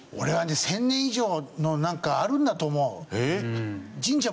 １０００年以上のなんかあるんだと思う。